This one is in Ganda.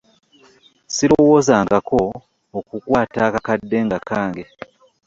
Sirowoozangako okukwata akakadde nga kange